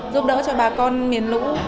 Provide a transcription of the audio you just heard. giúp đỡ cho bà con miền lũ